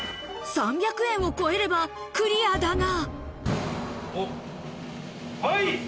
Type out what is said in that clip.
３００円を超えればクリアだが。